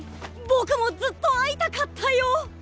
ボクもずっと会いたかったよ。